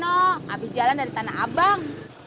di sana abis jalan dari tanah abang